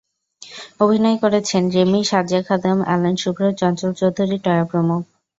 অভিনয় করেছেন রেমী, সাজু খাদেম, অ্যালেন শুভ্র, চঞ্চল চৌধুরী, টয়া প্রমুখ।